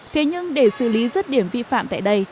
thế nhưng để xử lý rứt điểm vi phạm tại đây